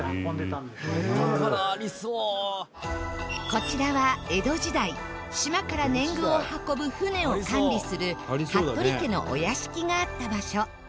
こちらは江戸時代島から年貢を運ぶ船を管理する服部家のお屋敷があった場所。